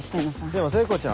でも聖子ちゃん